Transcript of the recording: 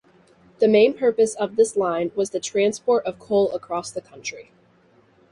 The main purpose of this line was the transport of coal across the country.